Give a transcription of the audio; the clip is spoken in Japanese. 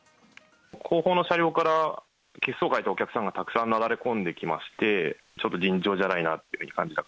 後方の車両から血相変えてお客さんがたくさんなだれ込んできまして、ちょっと尋常じゃないなっていう感じでした。